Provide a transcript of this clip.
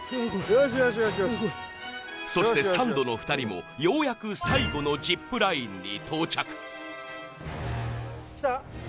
怖いそしてサンドの２人もようやく最後のジップラインに到着来た？